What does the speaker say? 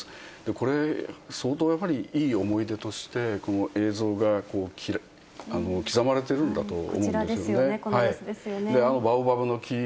これ、相当やはり、いい思い出として、この映像が刻まれているんだと思うんですよね。